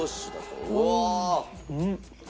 うん。